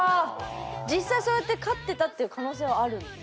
実際そうやって勝ってたっていう可能性はあるの？